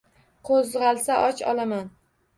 Qo’zg’alsa och olomon.